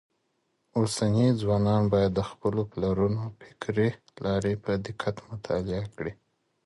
اوسني ځوانان بايد د خپلو پلرونو فکري لاري په دقت مطالعه کړي.